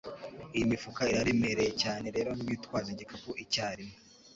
Iyi mifuka iraremereye cyane, rero witwaze igikapu icyarimwe.